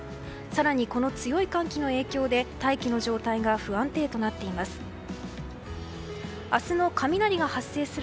更にこの強い寒気の影響で大気の状態が不安定となっています。